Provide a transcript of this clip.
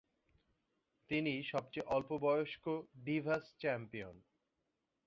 তিনি সবচেয়ে অল্প বয়স্ক ডিভাস চ্যাম্পিয়ন।